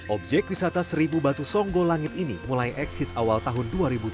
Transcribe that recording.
objek wisata seribu batu songgo langit ini mulai eksis awal tahun dua ribu tujuh belas